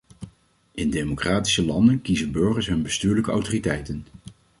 In democratische landen kiezen burgers hun bestuurlijke autoriteiten.